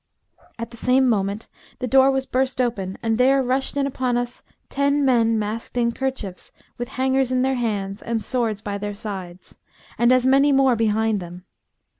At the same moment the door was burst open and there rushed in upon us ten men masked in kerchiefs with hangers in their hands and swords by their sides, and as many more behind them.